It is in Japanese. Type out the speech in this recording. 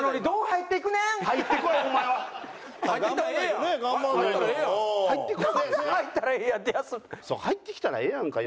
入ってきたらええやんか